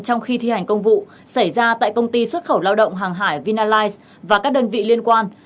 trong khi thi hành công vụ xảy ra tại công ty xuất khẩu lao động hàng hải vinalize và các đơn vị liên quan